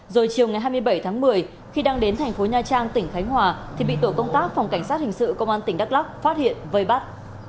rồi chiều ngày hai mươi bảy tháng một mươi khi đang đến thành phố nha trang tỉnh khánh hòa thì bị tổ công tác phòng cảnh sát hình sự công an tỉnh đắk lắk phát hiện vây bắt